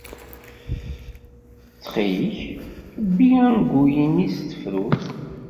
Ttxil-k, bbi angul-nni s tefrut.